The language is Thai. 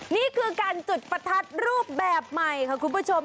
นี่คือการจุดประทัดรูปแบบใหม่ค่ะคุณผู้ชม